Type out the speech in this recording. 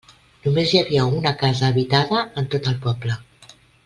Només hi havia una casa habitada en tot el poble.